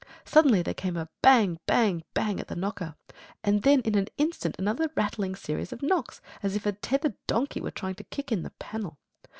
Suddenly there came a bang! bang! bang! at the knocker; and then in an instant another rattling series of knocks, as if a tethered donkey were trying to kick in the panel.